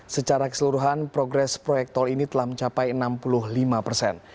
secara keseluruhan progres proyek tol ini telah mencapai enam puluh lima persen